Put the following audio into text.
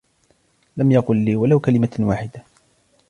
لم يقل لي ولو كلمة واحدة.